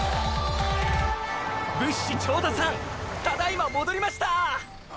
物資調達班ただいま戻りました！